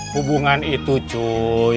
hubungan itu cuy